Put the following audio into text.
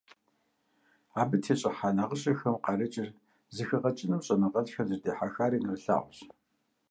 Абы тещIыхьа нагъыщэхэм къарыкIыр зэхэгъэкIыным щIэныгъэлIхэр зэрыдихьэхари нэрылъагъущ.